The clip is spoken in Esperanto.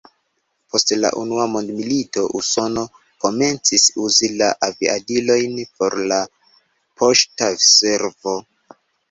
Post la Unua mondmilito Usono komencis uzi la aviadilojn por la poŝta servo.